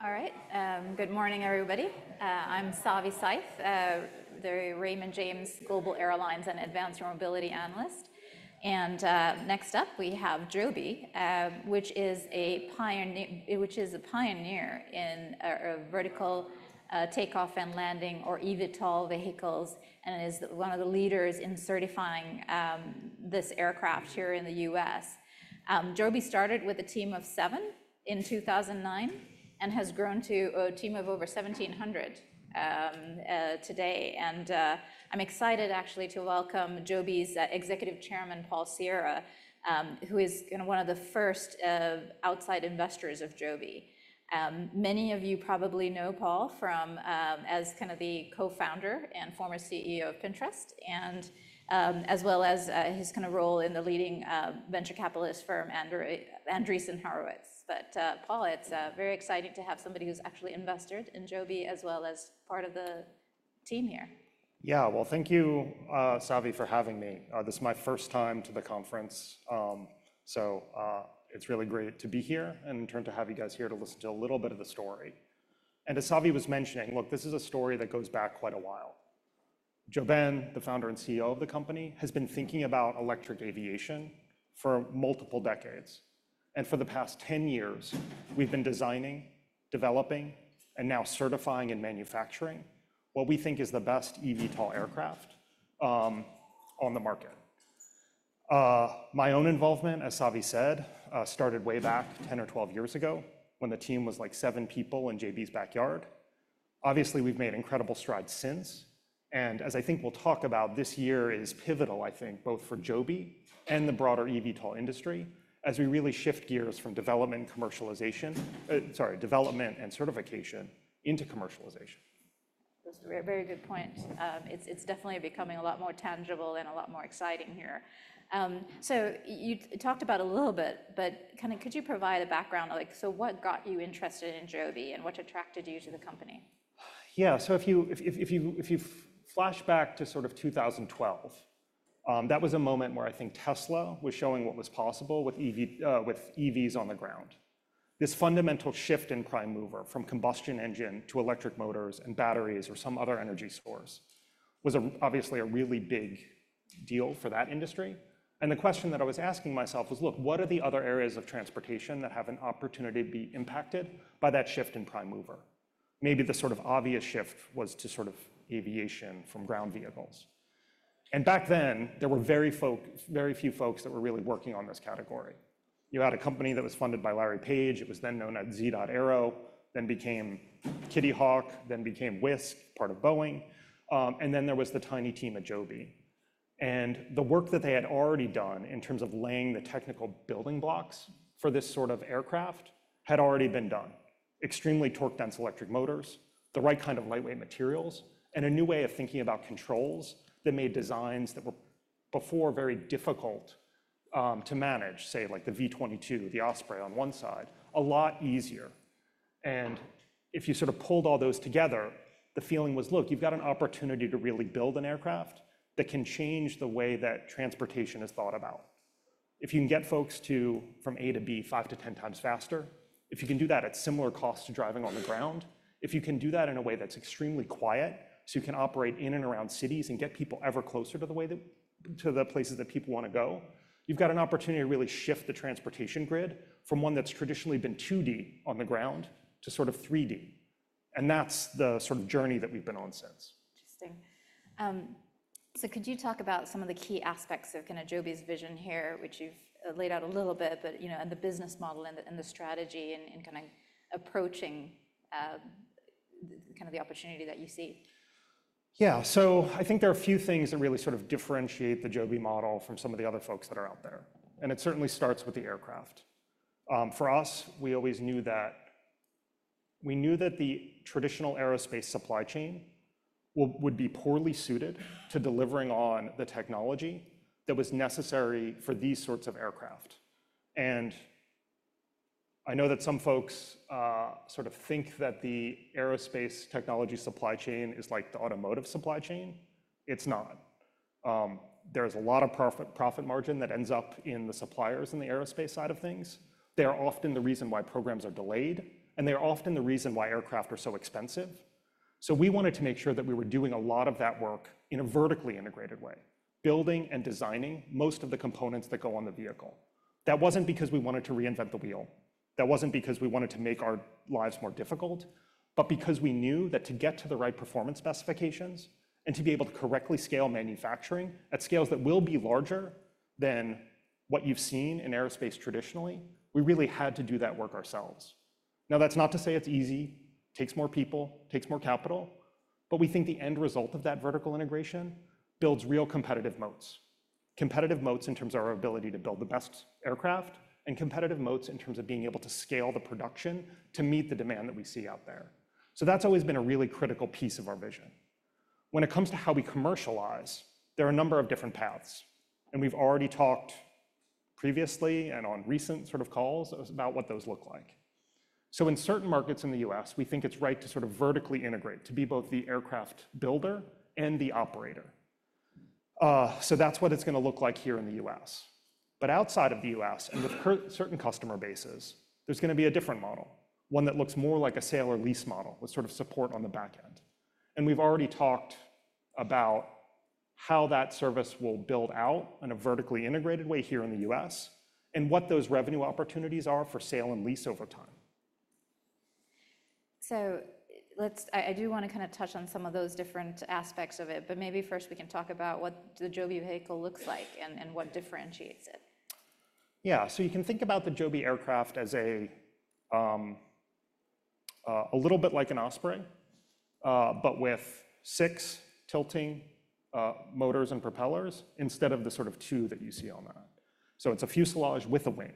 All right. Good morning, everybody. I'm Savi Syth, the Raymond James' Global Airlines and Advanced Mobility Analyst. And next up, we have Joby, which is a pioneer in vertical takeoff and landing, or eVTOL, vehicles, and is one of the leaders in certifying this aircraft here in the U.S. Joby started with a team of seven in 2009 and has grown to a team of over 1,700 today. And I'm excited, actually, to welcome Joby's executive chairman, Paul Sciarra, who is one of the first outside investors of Joby. Many of you probably know Paul as kind of the co-founder and former CEO of Pinterest, as well as his kind of role in the leading venture capitalist firm, Andreessen Horowitz. But Paul, it's very exciting to have somebody who's actually invested in Joby as well as part of the team here. Yeah, well, thank you, Savi, for having me. This is my first time to the conference, so it's really great to be here and in turn to have you guys here to listen to a little bit of the story. And as Savi was mentioning, look, this is a story that goes back quite a while. JoeBen, the founder and CEO of the company, has been thinking about electric aviation for multiple decades. And for the past 10 years, we've been designing, developing, and now certifying and manufacturing what we think is the best eVTOL aircraft on the market. My own involvement, as Savi said, started way back 10 or 12 years ago when the team was like seven people in Joby's backyard. Obviously, we've made incredible strides since. And as I think we'll talk about, this year is pivotal, I think, both for Joby and the broader eVTOL industry as we really shift gears from development and certification into commercialization. That's a very good point. It's definitely becoming a lot more tangible and a lot more exciting here. So you talked about it a little bit, but kind of could you provide a background? So what got you interested in Joby and what attracted you to the company? Yeah, so if you flashback to sort of 2012, that was a moment where I think Tesla was showing what was possible with EVs on the ground. This fundamental shift in prime mover from combustion engine to electric motors and batteries or some other energy source was obviously a really big deal for that industry. And the question that I was asking myself was, look, what are the other areas of transportation that have an opportunity to be impacted by that shift in prime mover? Maybe the sort of obvious shift was to sort of aviation from ground vehicles. And back then, there were very few folks that were really working on this category. You had a company that was funded by Larry Page. It was then known as Zee.Aero, then became Kitty Hawk, then became Wisk, part of Boeing. And then there was the tiny team at Joby. And the work that they had already done in terms of laying the technical building blocks for this sort of aircraft had already been done: extremely torque-dense electric motors, the right kind of lightweight materials, and a new way of thinking about controls that made designs that were before very difficult to manage, say, like the V-22 Osprey on one side, a lot easier. And if you sort of pulled all those together, the feeling was, look, you've got an opportunity to really build an aircraft that can change the way that transportation is thought about. If you can get folks from A to B five to 10x faster, if you can do that at similar costs to driving on the ground, if you can do that in a way that's extremely quiet so you can operate in and around cities and get people ever closer to the places that people want to go, you've got an opportunity to really shift the transportation grid from one that's traditionally been 2D on the ground to sort of 3D, and that's the sort of journey that we've been on since. Interesting. So could you talk about some of the key aspects of kind of Joby's vision here, which you've laid out a little bit, but the business model and the strategy in kind of approaching kind of the opportunity that you see? Yeah, so I think there are a few things that really sort of differentiate the Joby model from some of the other folks that are out there, and it certainly starts with the aircraft. For us, we always knew that the traditional aerospace supply chain would be poorly suited to delivering on the technology that was necessary for these sorts of aircraft, and I know that some folks sort of think that the aerospace technology supply chain is like the automotive supply chain. It's not. There is a lot of profit margin that ends up in the suppliers and the aerospace side of things. They are often the reason why programs are delayed, and they are often the reason why aircraft are so expensive. So we wanted to make sure that we were doing a lot of that work in a vertically integrated way, building and designing most of the components that go on the vehicle. That wasn't because we wanted to reinvent the wheel. That wasn't because we wanted to make our lives more difficult, but because we knew that to get to the right performance specifications and to be able to correctly scale manufacturing at scales that will be larger than what you've seen in aerospace traditionally, we really had to do that work ourselves. Now, that's not to say it's easy. It takes more people, takes more capital, but we think the end result of that vertical integration builds real competitive moats, competitive moats in terms of our ability to build the best aircraft and competitive moats in terms of being able to scale the production to meet the demand that we see out there. So that's always been a really critical piece of our vision. When it comes to how we commercialize, there are a number of different paths. And we've already talked previously and on recent sort of calls about what those look like. So in certain markets in the U.S., we think it's right to sort of vertically integrate to be both the aircraft builder and the operator. So that's what it's going to look like here in the U.S. But outside of the U.S. and with certain customer bases, there's going to be a different model, one that looks more like a sale or lease model with sort of support on the back end. And we've already talked about how that service will build out in a vertically integrated way here in the U.S. and what those revenue opportunities are for sale and lease over time. So I do want to kind of touch on some of those different aspects of it, but maybe first we can talk about what the Joby vehicle looks like and what differentiates it. Yeah, so you can think about the Joby aircraft as a little bit like an Osprey, but with six tilting motors and propellers instead of the sort of two that you see on that. So it's a fuselage with a wing.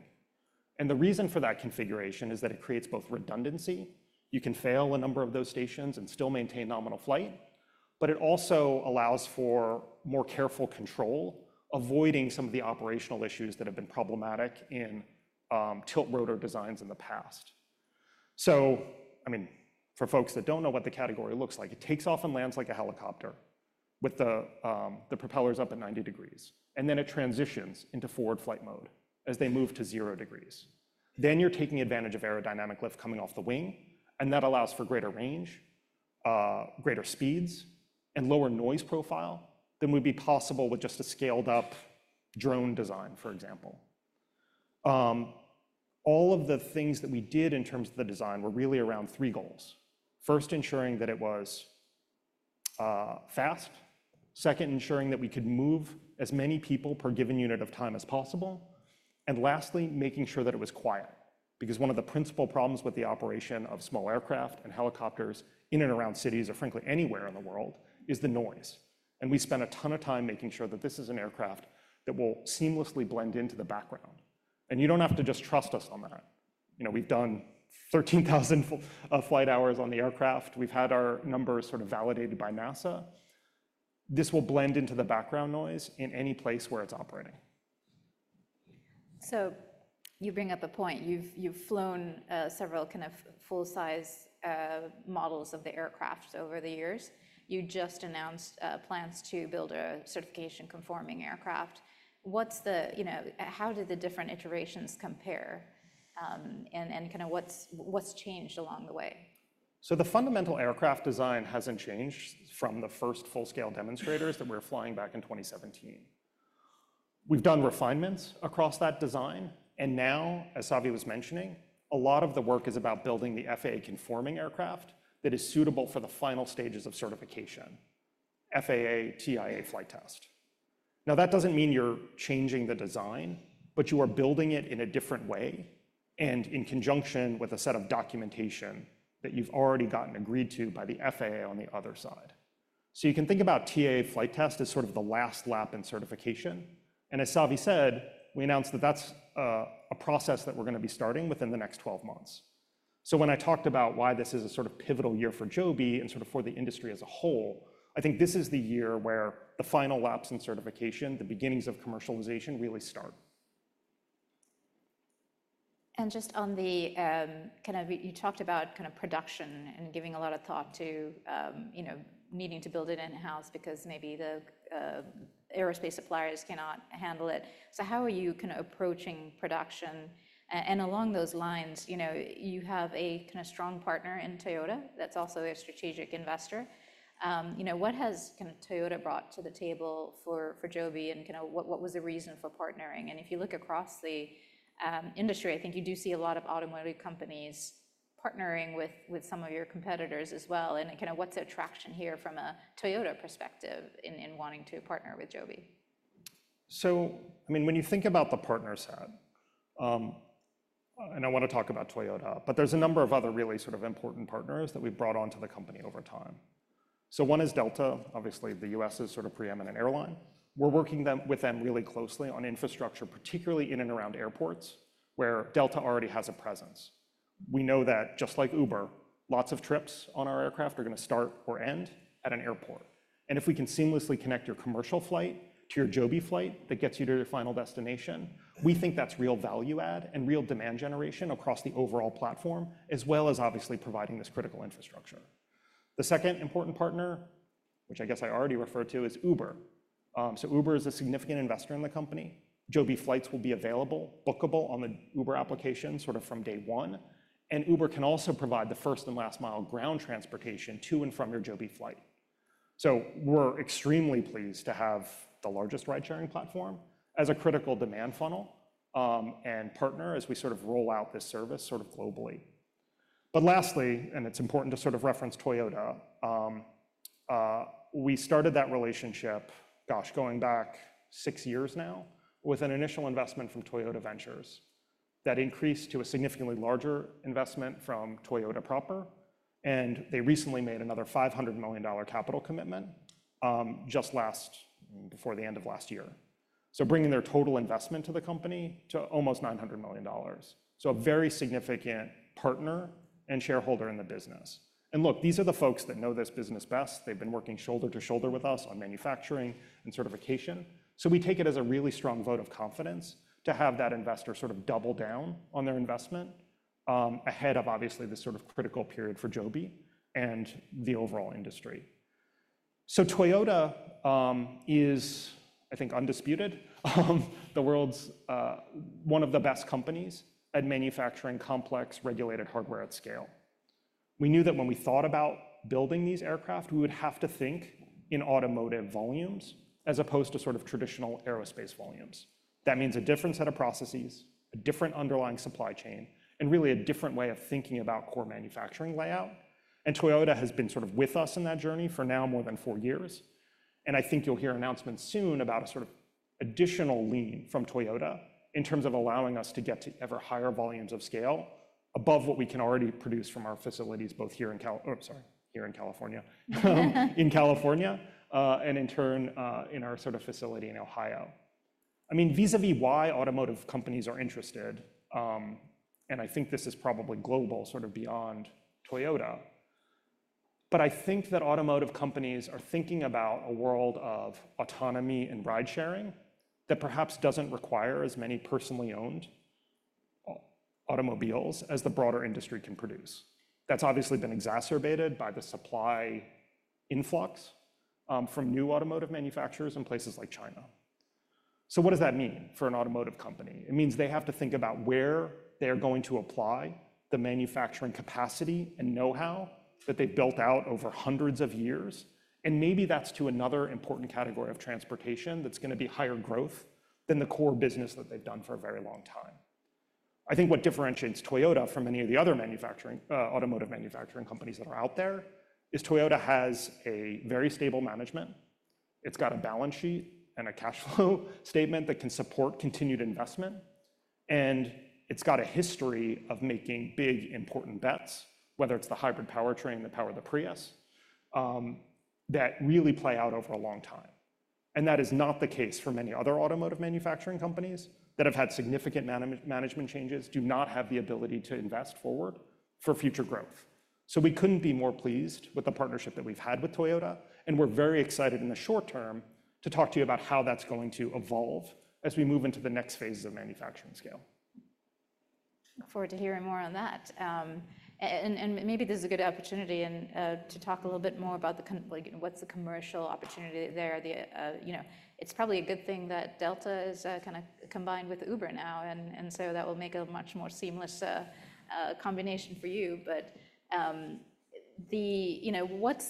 And the reason for that configuration is that it creates both redundancy. You can fail a number of those stations and still maintain nominal flight, but it also allows for more careful control, avoiding some of the operational issues that have been problematic in tilt rotor designs in the past. So, I mean, for folks that don't know what the category looks like, it takes off and lands like a helicopter with the propellers up at 90 degrees. And then it transitions into forward flight mode as they move to zero degrees. Then you're taking advantage of aerodynamic lift coming off the wing, and that allows for greater range, greater speeds, and lower noise profile than would be possible with just a scaled-up drone design, for example. All of the things that we did in terms of the design were really around three goals. First, ensuring that it was fast. Second, ensuring that we could move as many people per given unit of time as possible. And lastly, making sure that it was quiet, because one of the principal problems with the operation of small aircraft and helicopters in and around cities or, frankly, anywhere in the world is the noise. And we spent a ton of time making sure that this is an aircraft that will seamlessly blend into the background. And you don't have to just trust us on that. We've done 13,000 flight hours on the aircraft. We've had our numbers sort of validated by NASA. This will blend into the background noise in any place where it's operating. So you bring up a point. You've flown several kind of full-size models of the aircraft over the years. You just announced plans to build a certification-conforming aircraft. How did the different iterations compare, and kind of what's changed along the way? The fundamental aircraft design hasn't changed from the first full-scale demonstrators that we were flying back in 2017. We've done refinements across that design. Now, as Savi was mentioning, a lot of the work is about building the FAA-conforming aircraft that is suitable for the final stages of certification, FAA TIA flight test. Now, that doesn't mean you're changing the design, but you are building it in a different way and in conjunction with a set of documentation that you've already gotten agreed to by the FAA on the other side. You can think about TIA flight test as sort of the last lap in certification. As Savi said, we announced that that's a process that we're going to be starting within the next 12 months. So when I talked about why this is a sort of pivotal year for Joby and sort of for the industry as a whole, I think this is the year where the final laps in certification, the beginnings of commercialization really start. Just on the kind of you talked about kind of production and giving a lot of thought to needing to build it in-house because maybe the aerospace suppliers cannot handle it. So how are you kind of approaching production? Along those lines, you have a kind of strong partner in Toyota that's also a strategic investor. What has kind of Toyota brought to the table for Joby? Kind of what was the reason for partnering? If you look across the industry, I think you do see a lot of automotive companies partnering with some of your competitors as well. Kind of what's the attraction here from a Toyota perspective in wanting to partner with Joby? So, I mean, when you think about the partners set, and I want to talk about Toyota, but there's a number of other really sort of important partners that we've brought onto the company over time. So one is Delta, obviously the U.S. sort of preeminent airline. We're working with them really closely on infrastructure, particularly in and around airports where Delta already has a presence. We know that just like Uber, lots of trips on our aircraft are going to start or end at an airport. And if we can seamlessly connect your commercial flight to your Joby flight that gets you to your final destination, we think that's real value add and real demand generation across the overall platform, as well as obviously providing this critical infrastructure. The second important partner, which I guess I already referred to, is Uber. So Uber is a significant investor in the company. Joby flights will be available, bookable on the Uber application sort of from day one. And Uber can also provide the first and last mile ground transportation to and from your Joby flight. So we're extremely pleased to have the largest ride-sharing platform as a critical demand funnel and partner as we sort of roll out this service sort of globally. But lastly, and it's important to sort of reference Toyota, we started that relationship, gosh, going back six years now, with an initial investment from Toyota Ventures that increased to a significantly larger investment from Toyota proper. And they recently made another $500 million capital commitment just before the end of last year, so bringing their total investment to the company to almost $900 million. So a very significant partner and shareholder in the business. Look, these are the folks that know this business best. They've been working shoulder to shoulder with us on manufacturing and certification. We take it as a really strong vote of confidence to have that investor sort of double down on their investment ahead of, obviously, this sort of critical period for Joby and the overall industry. Toyota is, I think, undisputed one of the best companies at manufacturing complex regulated hardware at scale. We knew that when we thought about building these aircraft, we would have to think in automotive volumes as opposed to sort of traditional aerospace volumes. That means a different set of processes, a different underlying supply chain, and really a different way of thinking about core manufacturing layout. Toyota has been sort of with us in that journey for now more than four years. And I think you'll hear announcements soon about a sort of additional lean from Toyota in terms of allowing us to get to ever higher volumes of scale above what we can already produce from our facilities both here in California and in turn in our sort of facility in Ohio. I mean, vis-à-vis why automotive companies are interested, and I think this is probably global sort of beyond Toyota, but I think that automotive companies are thinking about a world of autonomy and ride-sharing that perhaps doesn't require as many personally owned automobiles as the broader industry can produce. That's obviously been exacerbated by the supply influx from new automotive manufacturers in places like China. So what does that mean for an automotive company? It means they have to think about where they're going to apply the manufacturing capacity and know-how that they've built out over hundreds of years. And maybe that's to another important category of transportation that's going to be higher growth than the core business that they've done for a very long time. I think what differentiates Toyota from many of the other automotive manufacturing companies that are out there is Toyota has a very stable management. It's got a balance sheet and a cash flow statement that can support continued investment. And it's got a history of making big, important bets, whether it's the hybrid powertrain, the power of the Prius, that really play out over a long time. And that is not the case for many other automotive manufacturing companies that have had significant management changes, do not have the ability to invest forward for future growth. We couldn't be more pleased with the partnership that we've had with Toyota. We're very excited in the short term to talk to you about how that's going to evolve as we move into the next phase of manufacturing scale. Look forward to hearing more on that. And maybe this is a good opportunity to talk a little bit more about what's the commercial opportunity there? It's probably a good thing that Delta is kind of combined with Uber now. And so that will make a much more seamless combination for you. But what's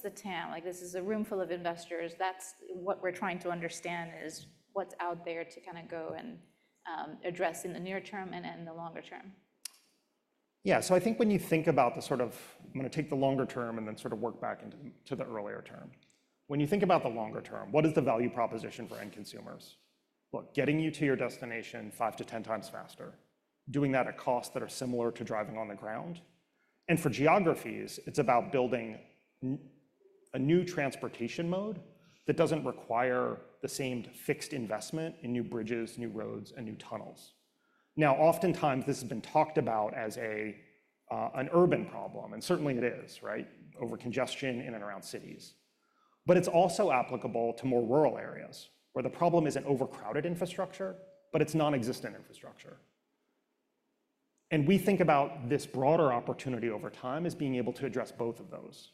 the TAM? This is a room full of investors. That's what we're trying to understand is what's out there to kind of go and address in the near term and in the longer term. Yeah, so I think when you think about the sort of, I'm going to take the longer term and then sort of work back into the earlier term. When you think about the longer term, what is the value proposition for end consumers? Look, getting you to your destination 5x-10x faster, doing that at costs that are similar to driving on the ground, and for geographies, it's about building a new transportation mode that doesn't require the same fixed investment in new bridges, new roads, and new tunnels. Now, oftentimes, this has been talked about as an urban problem, and certainly, it is, right, over congestion in and around cities, but it's also applicable to more rural areas where the problem isn't overcrowded infrastructure, but it's non-existent infrastructure, and we think about this broader opportunity over time as being able to address both of those.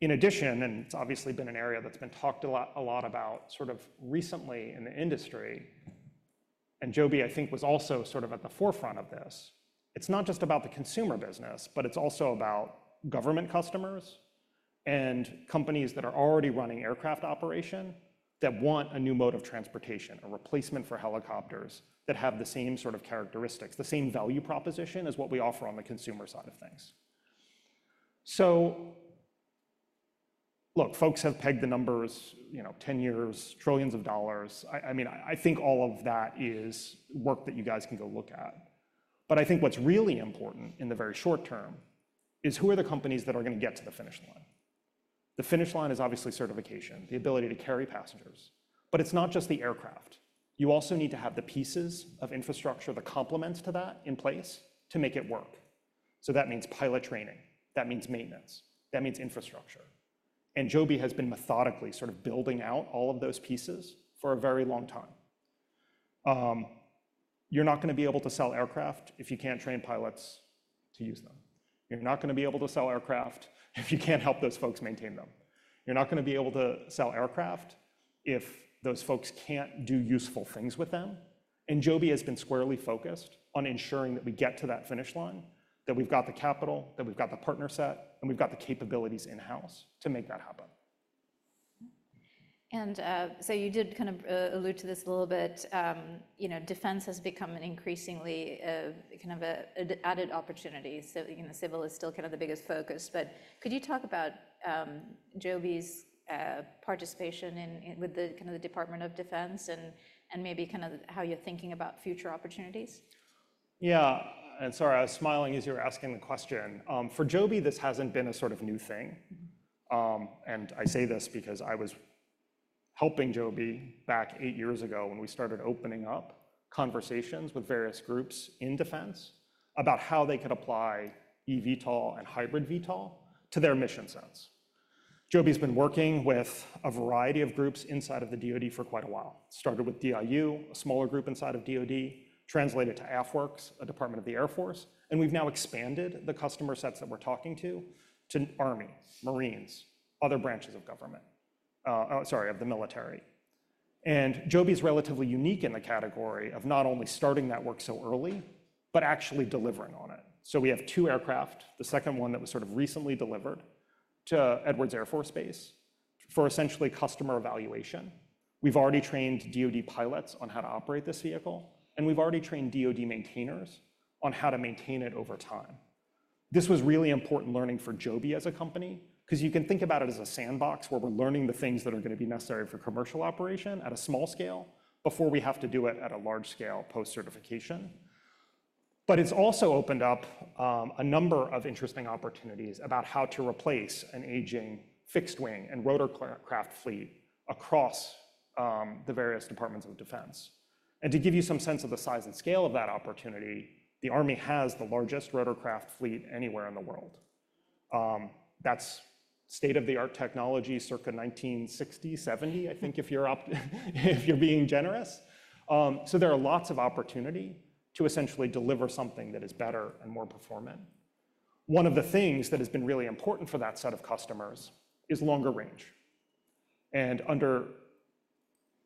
In addition, and it's obviously been an area that's been talked a lot about sort of recently in the industry, and Joby, I think, was also sort of at the forefront of this. It's not just about the consumer business, but it's also about government customers and companies that are already running aircraft operation that want a new mode of transportation, a replacement for helicopters that have the same sort of characteristics, the same value proposition as what we offer on the consumer side of things. So look, folks have pegged the numbers, 10 years, trillions of dollars. I mean, I think all of that is work that you guys can go look at. But I think what's really important in the very short term is who are the companies that are going to get to the finish line? The finish line is obviously certification, the ability to carry passengers. But it's not just the aircraft. You also need to have the pieces of infrastructure, the complements to that in place to make it work. So that means pilot training. That means maintenance. That means infrastructure. And Joby has been methodically sort of building out all of those pieces for a very long time. You're not going to be able to sell aircraft if you can't train pilots to use them. You're not going to be able to sell aircraft if you can't help those folks maintain them. You're not going to be able to sell aircraft if those folks can't do useful things with them. And Joby has been squarely focused on ensuring that we get to that finish line, that we've got the capital, that we've got the partner set, and we've got the capabilities in-house to make that happen. You did kind of allude to this a little bit. Defense has become an increasingly kind of an added opportunity. Civil is still kind of the biggest focus. But could you talk about Joby's participation with the kind of Department of Defense and maybe kind of how you're thinking about future opportunities? Yeah. And sorry, I was smiling as you were asking the question. For Joby, this hasn't been a sort of new thing. And I say this because I was helping Joby back eight years ago when we started opening up conversations with various groups in defense about how they could apply eVTOL and hybrid VTOL to their mission sets. Joby's been working with a variety of groups inside of the DoD for quite a while. Started with DIU, a smaller group inside of DoD, translated to AFWERX, a Department of the Air Force. And we've now expanded the customer sets that we're talking to to Army, Marines, other branches of government, sorry, of the military. And Joby's relatively unique in the category of not only starting that work so early, but actually delivering on it. So we have two aircraft, the second one that was sort of recently delivered to Edwards Air Force Base for essentially customer evaluation. We've already trained DoD pilots on how to operate this vehicle. And we've already trained DoD maintainers on how to maintain it over time. This was really important learning for Joby as a company because you can think about it as a sandbox where we're learning the things that are going to be necessary for commercial operation at a small scale before we have to do it at a large scale post-certification. But it's also opened up a number of interesting opportunities about how to replace an aging fixed-wing and rotorcraft fleet across the various departments of defense. And to give you some sense of the size and scale of that opportunity, the Army has the largest rotorcraft fleet anywhere in the world. That's state-of-the-art technology, circa 1960, 1970, I think, if you're being generous. So there are lots of opportunity to essentially deliver something that is better and more performant. One of the things that has been really important for that set of customers is longer range. And under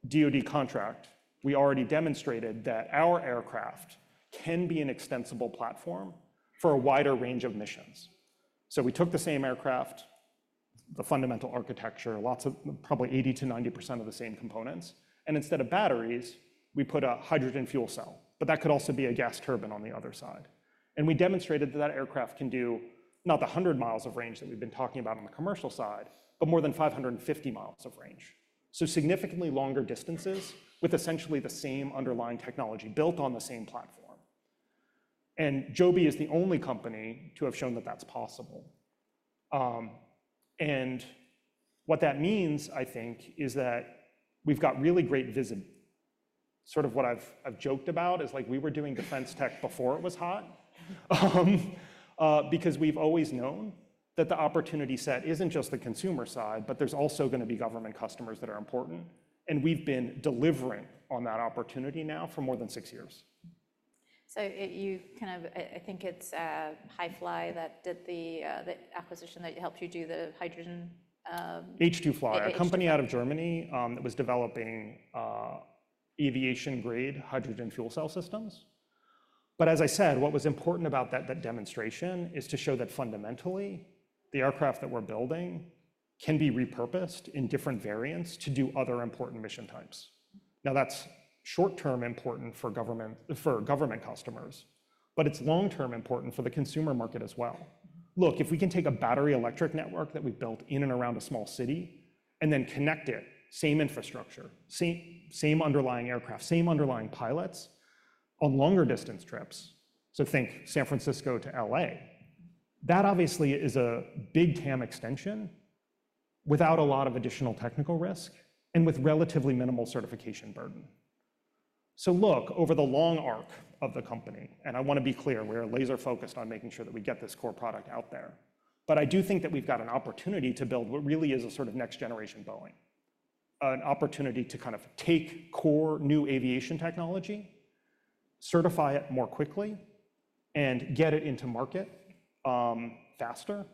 DoD contract, we already demonstrated that our aircraft can be an extensible platform for a wider range of missions. So we took the same aircraft, the fundamental architecture, lots of probably 80%-90% of the same components. And instead of batteries, we put a hydrogen fuel cell. But that could also be a gas turbine on the other side. And we demonstrated that that aircraft can do not the 100 mi of range that we've been talking about on the commercial side, but more than 550 mi of range. So significantly longer distances with essentially the same underlying technology built on the same platform. And Joby is the only company to have shown that that's possible. And what that means, I think, is that we've got really great visibility. Sort of what I've joked about is like we were doing defense tech before it was hot because we've always known that the opportunity set isn't just the consumer side, but there's also going to be government customers that are important. And we've been delivering on that opportunity now for more than six years. So you kind of I think it's H2FLY that did the acquisition that helped you do the hydrogen. H2FLY, a company out of Germany that was developing aviation-grade hydrogen fuel cell systems. But as I said, what was important about that demonstration is to show that fundamentally, the aircraft that we're building can be repurposed in different variants to do other important mission types. Now, that's short-term important for government customers, but it's long-term important for the consumer market as well. Look, if we can take a battery electric network that we've built in and around a small city and then connect it, same infrastructure, same underlying aircraft, same underlying pilots on longer distance trips, so think San Francisco to L.A., that obviously is a big TAM extension without a lot of additional technical risk and with relatively minimal certification burden. So look, over the long arc of the company, and I want to be clear, we are laser-focused on making sure that we get this core product out there. But I do think that we've got an opportunity to build what really is a sort of next-generation Boeing, an opportunity to kind of take core new aviation technology, certify it more quickly, and get it into market faster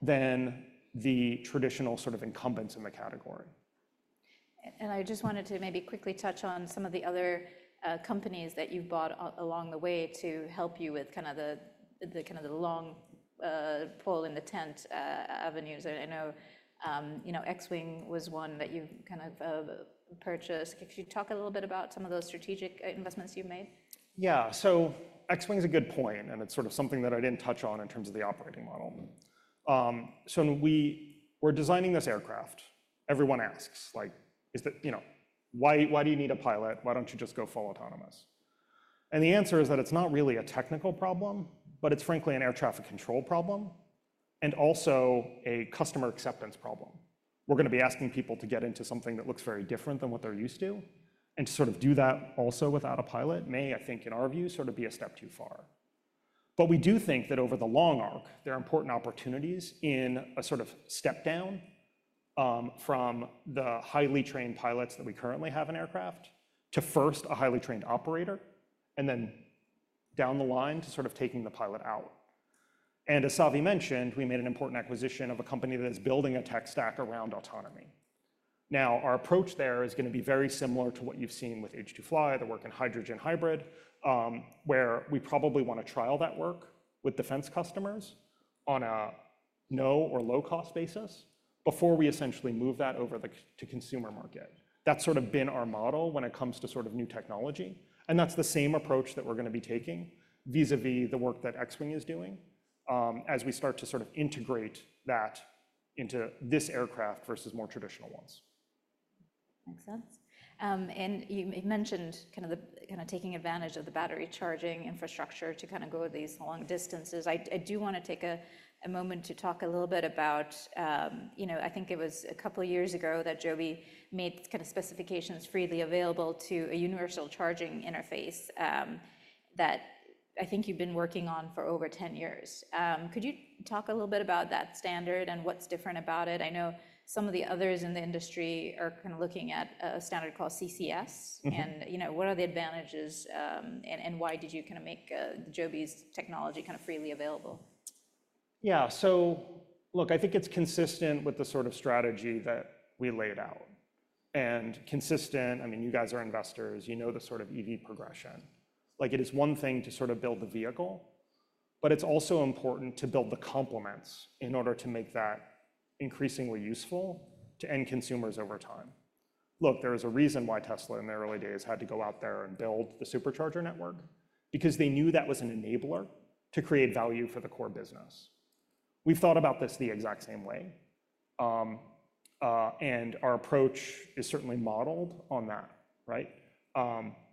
than the traditional sort of incumbents in the category. I just wanted to maybe quickly touch on some of the other companies that you've bought along the way to help you with kind of the long haul into new avenues. I know Xwing was one that you kind of purchased. Could you talk a little bit about some of those strategic investments you've made? Yeah. So Xwing's a good point. And it's sort of something that I didn't touch on in terms of the operating model. So when we were designing this aircraft, everyone asks, like, why do you need a pilot? Why don't you just go full autonomous? And the answer is that it's not really a technical problem, but it's frankly an air traffic control problem and also a customer acceptance problem. We're going to be asking people to get into something that looks very different than what they're used to. And to sort of do that also without a pilot may, I think, in our view, sort of be a step too far. But we do think that over the long arc, there are important opportunities in a sort of step down from the highly trained pilots that we currently have in aircraft to first a highly trained operator, and then down the line to sort of taking the pilot out. And as Savi mentioned, we made an important acquisition of a company that is building a tech stack around autonomy. Now, our approach there is going to be very similar to what you've seen with H2FLY, the work in hydrogen hybrid, where we probably want to trial that work with defense customers on a no or low-cost basis before we essentially move that over to consumer market. That's sort of been our model when it comes to sort of new technology. And that's the same approach that we're going to be taking vis-à-vis the work that Xwing is doing as we start to sort of integrate that into this aircraft versus more traditional ones. Makes sense. And you mentioned kind of taking advantage of the battery charging infrastructure to kind of go these long distances. I do want to take a moment to talk a little bit about I think it was a couple of years ago that Joby made kind of specifications freely available to a universal charging interface that I think you've been working on for over 10 years. Could you talk a little bit about that standard and what's different about it? I know some of the others in the industry are kind of looking at a standard called CCS. And what are the advantages? And why did you kind of make Joby's technology kind of freely available? Yeah. So look, I think it's consistent with the sort of strategy that we laid out. And consistent, I mean, you guys are investors. You know the sort of EV progression. It is one thing to sort of build the vehicle, but it's also important to build the complements in order to make that increasingly useful to end consumers over time. Look, there is a reason why Tesla in the early days had to go out there and build the Supercharger Network because they knew that was an enabler to create value for the core business. We've thought about this the exact same way. And our approach is certainly modeled on that, right?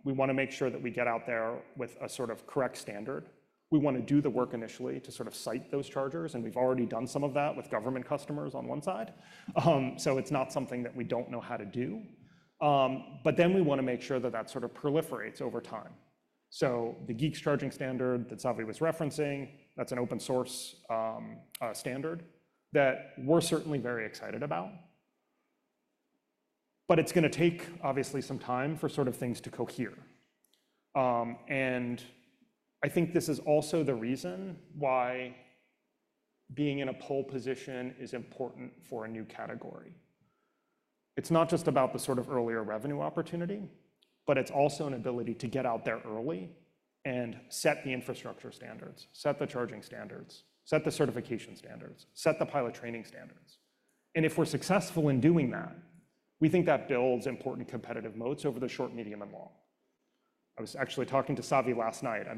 We want to make sure that we get out there with a sort of correct standard. We want to do the work initially to sort of site those chargers. And we've already done some of that with government customers on one side. So it's not something that we don't know how to do. But then we want to make sure that that sort of proliferates over time. So the GEACS charging standard that Savi was referencing, that's an open-source standard that we're certainly very excited about. But it's going to take, obviously, some time for sort of things to cohere. And I think this is also the reason why being in a pole position is important for a new category. It's not just about the sort of earlier revenue opportunity, but it's also an ability to get out there early and set the infrastructure standards, set the charging standards, set the certification standards, set the pilot training standards. And if we're successful in doing that, we think that builds important competitive moats over the short, medium, and long. I was actually talking to Savi last night. I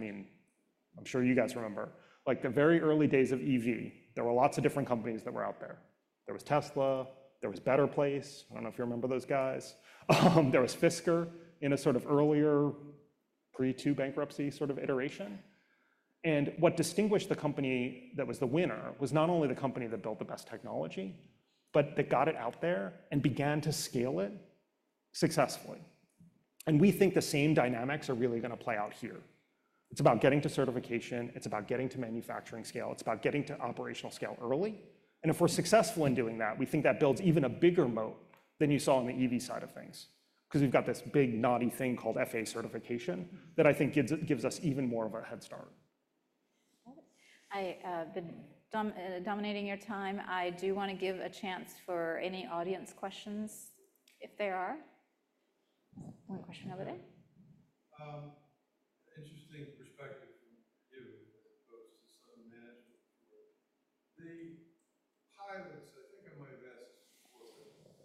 mean, I'm sure you guys remember. Like the very early days of EV, there were lots of different companies that were out there. There was Tesla. There was Better Place. I don't know if you remember those guys. There was Fisker in a sort of earlier pre-two bankruptcy sort of iteration, and what distinguished the company that was the winner was not only the company that built the best technology, but that got it out there and began to scale it successfully, and we think the same dynamics are really going to play out here. It's about getting to certification. It's about getting to manufacturing scale. It's about getting to operational scale early. And if we're successful in doing that, we think that builds even a bigger moat than you saw on the EV side of things because we've got this big knotty thing called FAA certification that I think gives us even more of a head start. Got it. I've been dominating your time. I do want to give a chance for any audience questions if there are. One question over there. Interesting perspective from you as opposed to some management. The pilots, I think I might have asked this before,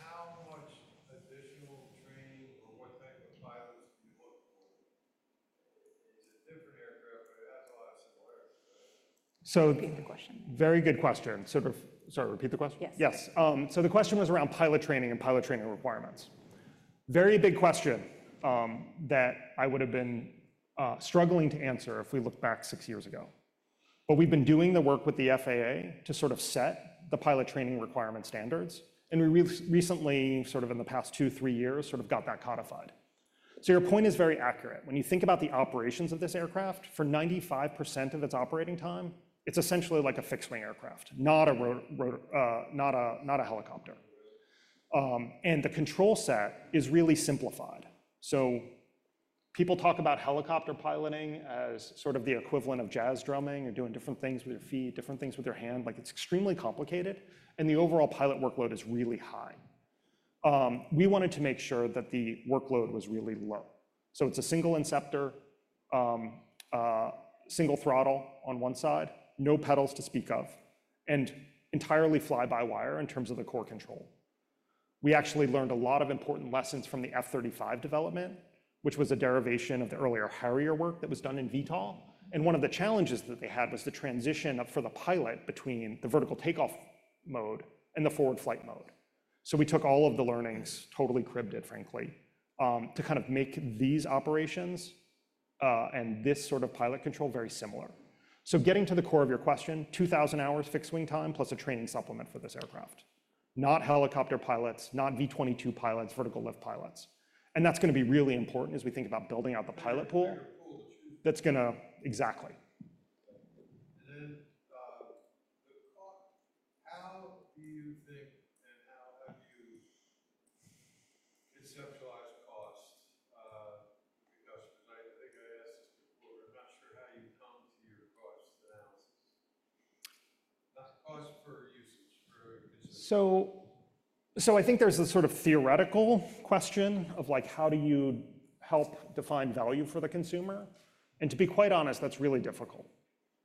how much additional training or what type of pilots do you look for? It's a different aircraft, but it has a lot of similarities, right? So, repeat the question. Very good question. Sort of, sorry, repeat the question? Yes. Yes, so the question was around pilot training and pilot training requirements. Very big question that I would have been struggling to answer if we looked back six years ago, but we've been doing the work with the FAA to sort of set the pilot training requirement standards, and we recently, sort of in the past two, three years, sort of got that codified, so your point is very accurate. When you think about the operations of this aircraft, for 95% of its operating time, it's essentially like a fixed-wing aircraft, not a helicopter, and the control set is really simplified, so people talk about helicopter piloting as sort of the equivalent of jazz drumming and doing different things with your feet, different things with your hand, like it's extremely complicated, and the overall pilot workload is really high. We wanted to make sure that the workload was really low. So it's a single inceptor, single throttle on one side, no pedals to speak of, and entirely fly-by-wire in terms of the core control. We actually learned a lot of important lessons from the F-35 development, which was a derivation of the earlier Harrier work that was done in VTOL. And one of the challenges that they had was the transition for the pilot between the vertical takeoff mode and the forward flight mode. So we took all of the learnings, totally cribbed it, frankly, to kind of make these operations and this sort of pilot control very similar. So getting to the core of your question, 2,000 hours fixed-wing time plus a training supplement for this aircraft. Not helicopter pilots, not V-22 pilots, vertical lift pilots. And that's going to be really important as we think about building out the pilot pool. That's going to exactly. And then the cost, how do you think and how have you conceptualized costs for customers? I think I asked this before. I'm not sure how you come to your cost analysis. Cost for usage, for consumers. So I think there's a sort of theoretical question of how do you help define value for the consumer. And to be quite honest, that's really difficult,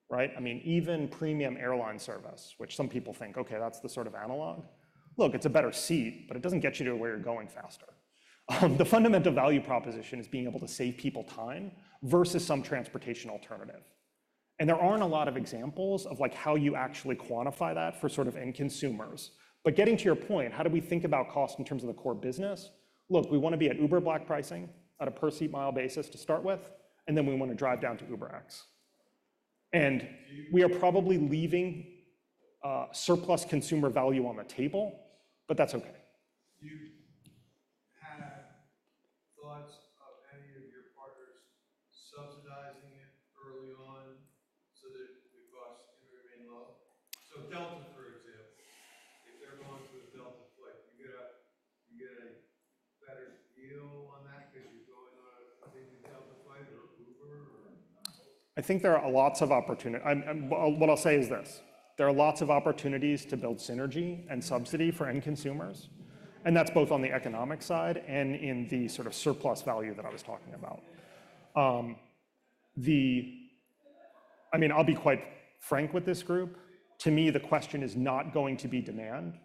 right? I mean, even premium airline service, which some people think, "OK, that's the sort of analog." Look, it's a better seat, but it doesn't get you to where you're going faster. The fundamental value proposition is being able to save people time versus some transportation alternative. And there aren't a lot of examples of how you actually quantify that for sort of end consumers. But getting to your point, how do we think about cost in terms of the core business? Look, we want to be at Uber Black pricing at a per-seat mile basis to start with. And then we want to drive down to UberX. And we are probably leaving surplus consumer value on the table, but that's OK. Do you have thoughts of any of your partners subsidizing it early on so that the costs can remain low? So Delta, for example, if they're going through a Delta flight, do you get a better deal on that because you're going on a maybe Delta flight or Uber or? I think there are lots of opportunities. What I'll say is this. There are lots of opportunities to build synergy and subsidy for end consumers, and that's both on the economic side and in the sort of surplus value that I was talking about. I mean, I'll be quite frank with this group. To me, the question is not going to be demand.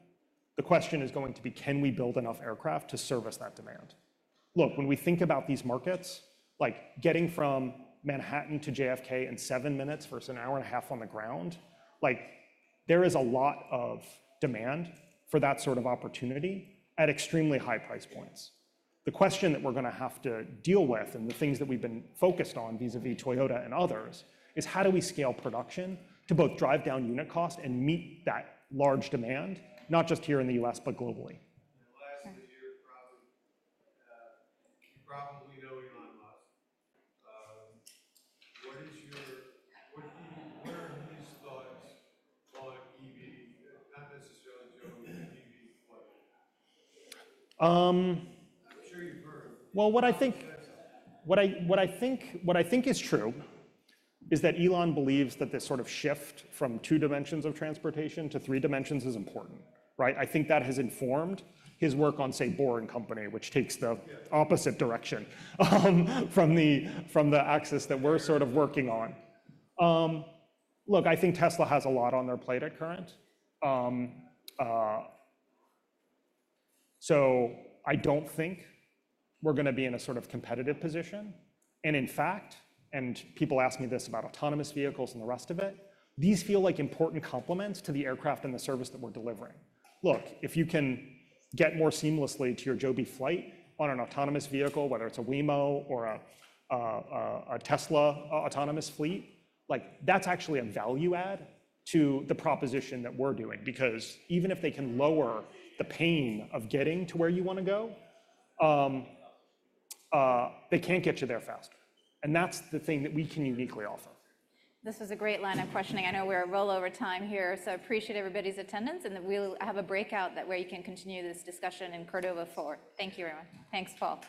The question is going to be, can we build enough aircraft to service that demand? Look, when we think about these markets, like getting from Manhattan to JFK in seven minutes versus an hour and a half on the ground, there is a lot of demand for that sort of opportunity at extremely high price points. The question that we're going to have to deal with and the things that we've been focused on vis-à-vis Toyota and others is how do we scale production to both drive down unit cost and meet that large demand, not just here in the U.S., but globally. In the last year, probably you know Elon Musk. What are his thoughts on EV, not necessarily just EV flight? I'm sure you've heard. Well, what I think is true is that Elon believes that this sort of shift from two dimensions of transportation to three dimensions is important, right? I think that has informed his work on, say, Boring Company, which takes the opposite direction from the axis that we're sort of working on. Look, I think Tesla has a lot on their plate at current. So I don't think we're going to be in a sort of competitive position. And in fact, and people ask me this about autonomous vehicles and the rest of it, these feel like important complements to the aircraft and the service that we're delivering. Look, if you can get more seamlessly to your Joby flight on an autonomous vehicle, whether it's a Waymo or a Tesla autonomous fleet, that's actually a value add to the proposition that we're doing. Because even if they can lower the pain of getting to where you want to go, they can't get you there faster, and that's the thing that we can uniquely offer. This was a great line of questioning. I know we're a little over time here. So I appreciate everybody's attendance, and we'll have a breakout where you can continue this discussion in the Cordova Forum. Thank you, everyone. Thanks, Paul.